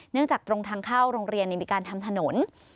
จากตรงทางเข้าโรงเรียนมีการทำถนน